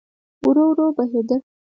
ورو، ورو بهیدله